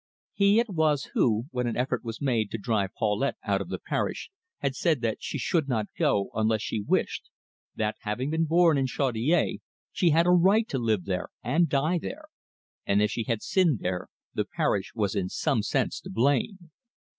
He it was who, when an effort was made to drive Paulette out of the parish, had said that she should not go unless she wished; that, having been born in Chaudiere, she had a right to live there and die there; and if she had sinned there, the parish was in some sense to blame.